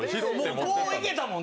こういけたもん。